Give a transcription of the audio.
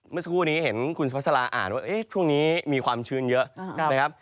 เมื่อสักครู่นี้เห็นคุณสุภาษาลาอ่านว่าช่วงนี้มีความชื้นเยอะนะครับ